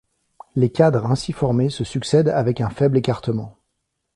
Les cadres ainsi formés se succèdent avec un faible écartement.